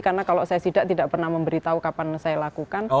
karena kalau saya tidak tidak pernah memberitahu kapan saya lakukan